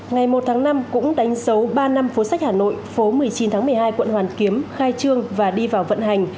ngày một tháng năm cũng đánh dấu ba năm phố sách hà nội phố một mươi chín tháng một mươi hai quận hoàn kiếm khai trương và đi vào vận hành